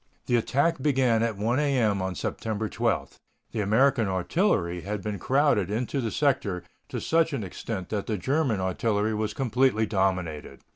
The attack began at 1 A.M. on September 12. The American artillery had been crowded into the sector to such an extent that the German artillery was completely dominated.